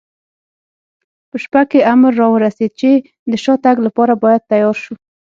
په شپه کې امر را ورسېد، چې د شاتګ لپاره باید تیار شو.